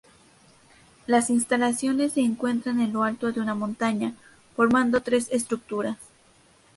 Las instalaciones se encuentran en lo alto de una montaña, formando tres estructuras.